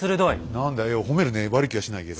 何だよ褒めるねえ悪い気はしないけど。